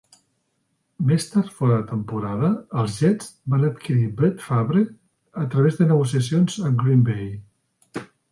Més tard fora de temporada, els Jets van adquirir Brett Favre a través de negociacions amb Green Bay.